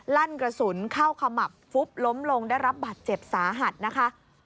ลั่นกระสุนเข้าขมับฟุบล้มลงได้รับบัตรเจ็บสาหัสนะคะ